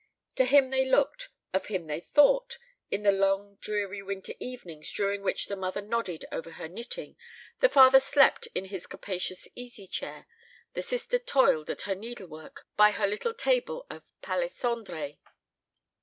To him they looked, of him they thought, in the long dreary winter evenings during which the mother nodded over her knitting, the father slept in his capacious easy chair, the sister toiled at her needle work by her little table of palissandre.